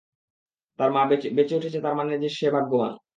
তার মা বেঁছে ওঠেছে তার মানে সে ভাগ্যবান।